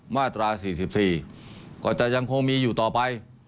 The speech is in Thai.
มาตรา๔๔ก็จะยังคงมีอยู่ต่อไป